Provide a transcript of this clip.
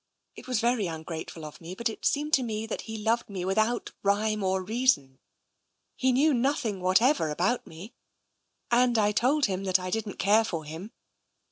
It was very ungrateful of me, but it seemed to me that he loved me without TENSION 157 rhyme or reason — he knew nothing whatever about me. And I told him that I didn't care for him.